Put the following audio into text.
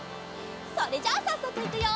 それじゃあさっそくいくよ！